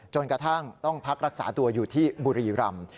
จนกระทั่งต้องพักรักษาตัวอยู่ที่บุรีรำ